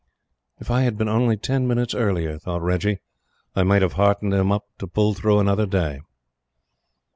"If I'd been only ten minutes earlier," thought Reggie, "I might have heartened him up to pull through another day."